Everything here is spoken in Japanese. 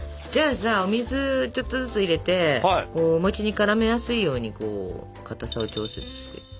じゃあさお水をちょっとずつ入れてお餅にからめやすいように固さを調節して。